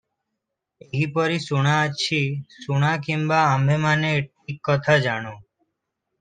ଏହିପରି ଶୁଣାଅଛି--ଶୁଣା କିମ୍ପା ଆମ୍ଭେମାନେ ଠିକ୍ କଥା ଜାଣୁ